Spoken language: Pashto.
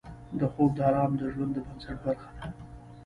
خوب د آرام د ژوند د بنسټ برخه ده